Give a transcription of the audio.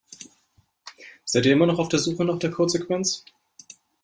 Seid ihr noch immer auf der Suche nach der Codesequenz?